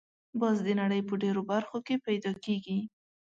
باز د نړۍ په ډېرو برخو کې پیدا کېږي